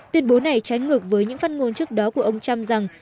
tuyên bố này trái ngược với những phát ngôn trước đó của ông trump rằng